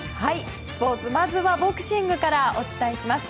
スポーツ、まずはボクシングからお伝えします。